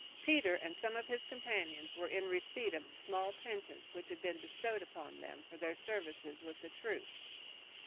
Peter and some of his companions were in receipt of small pensions, which had been bestowed upon them for their services with the troops.